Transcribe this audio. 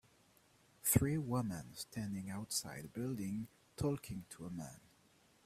Three women standing outside a building talking to a man.